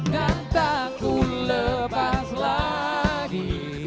dan tak ku lepas lagi